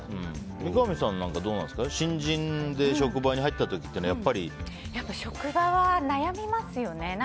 三上さんなんかは新人で職場に入った時は職場は悩みますよね。